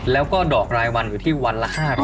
แล้วก็ดอกรายวันอยู่ที่วันละ๕๐๐